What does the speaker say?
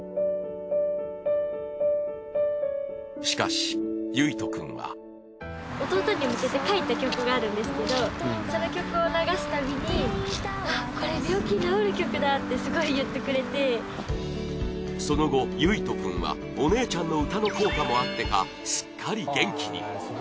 しかしゆいとくんはこれその後ゆいとくんはお姉ちゃんの歌の効果もあってかすっかり元気に。